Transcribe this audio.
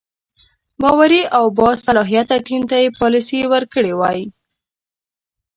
باوري او باصلاحیته ټیم ته یې پالیسي ورکړې وای.